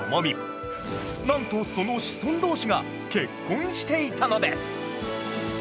なんとそのシソン同士が結婚していたのです！